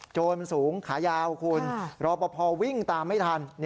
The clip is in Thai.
จนสูงขายาวคุณรอปภวิ่งตามไม่ทัน